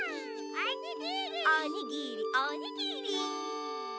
おにぎりおにぎり！